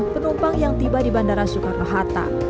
penumpang yang tiba di bandara soekarno hatta